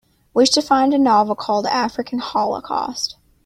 Wish to find a novel called African Holocaust